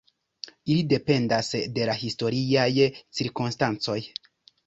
Ili dependas de la historiaj cirkonstancoj.